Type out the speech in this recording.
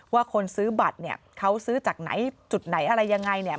ว่าคนซื้อบัตรเนี่ยเขาซื้อจากไหนจุดไหนอะไรยังไงเนี่ย